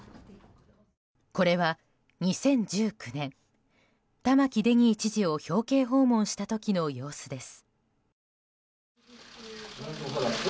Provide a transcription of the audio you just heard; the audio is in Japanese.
これは２０１９年玉城デニー知事を表敬訪問した時の様子です。